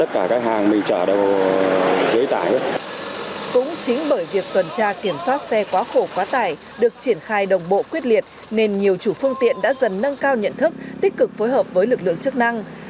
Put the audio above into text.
cũng chính bởi việc tuần tra kiểm soát xe quá khổ quá tải được triển khai đồng bộ quyết liệt nên nhiều chủ phương tiện đã dần nâng cao nhận thức tích cực phối hợp với lực lượng chức năng